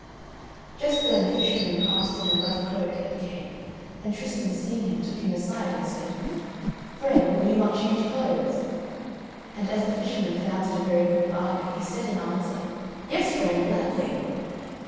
Just then a fisherman passed in a rough cloak and cape, and Tristan seeing him, took him aside, and said: "Friend, will you not change clothes?" And as the fisherman found it a very good bargain, he said in answer: "Yes, friend, gladly."